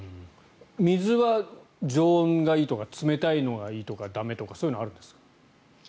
水は常温がいいとか冷たいのがいいとか駄目とかそういうのはあるんですか？